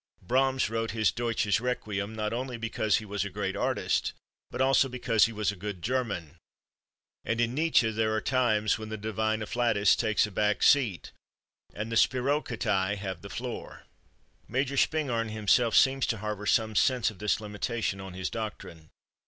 Brahms wrote his Deutsches Requiem, not only because he was a great artist, but also because he was a good German. And in Nietzsche there are times when the divine afflatus takes a back seat, and the spirochaetae have the floor. Major Spingarn himself seems to harbor some sense of this limitation on his doctrine.